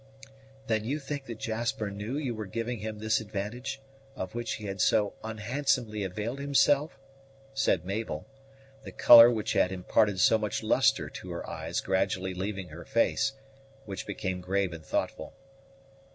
"Then you think that Jasper knew you were giving him this advantage, of which he had so unhandsomely availed himself?" said Mabel, the color which had imparted so much lustre to her eyes gradually leaving her face, which became grave and thoughtful.